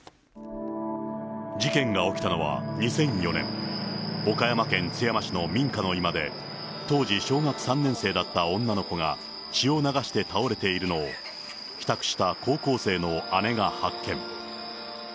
事件が起きたのは２００４年、岡山県津山市の民家の居間で、当時小学３年生だった女の子が血を流して倒れているのを、帰宅した高校生の姉が発見。